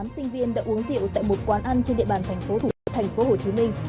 tám sinh viên đã uống rượu tại một quán ăn trên địa bàn thành phố hồ chí minh